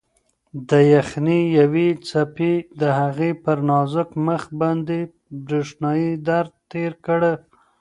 د یخنۍ یوې څپې د هغې پر نازک مخ باندې برېښنايي درد تېر کړ.